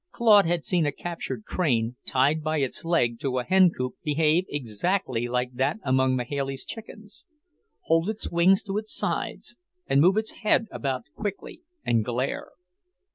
Claude had seen a captured crane, tied by its leg to a hencoop, behave exactly like that among Mahailey's chickens; hold its wings to its sides, and move its head about quickly and glare.